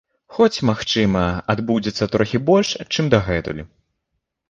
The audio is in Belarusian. Хоць, магчыма, адбудзецца трохі больш, чым дагэтуль.